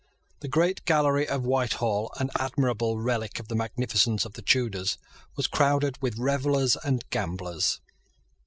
The great gallery of Whitehall, an admirable relic of the magnificence of the Tudors, was crowded with revellers and gamblers.